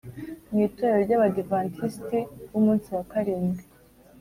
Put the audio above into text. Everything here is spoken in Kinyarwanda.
mu itorero ry’abadivantisiti b’umunsi wa karindwi,